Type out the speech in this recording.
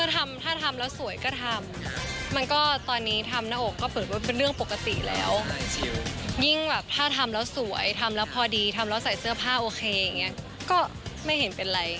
ถ้าทำแล้วสวยก็ทำมันก็ตอนนี้ทำหน้าอกก็เปิดว่าเป็นเรื่องปกติแล้วยิ่งแบบถ้าทำแล้วสวยทำแล้วพอดีทำแล้วใส่เสื้อผ้าโอเคอย่างนี้ก็ไม่เห็นเป็นไร